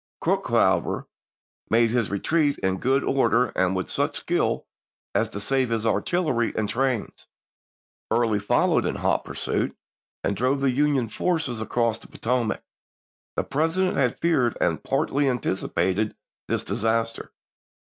Crook, however, made his retreat in good order and with such skill as to save his artillery and trains. Early followed in hot pursuit, and drove the Union forces across the Potomac. The Presi dent had feared and partly anticipated this dis aster.